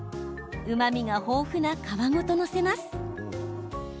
うまみが豊富な皮ごと載せます。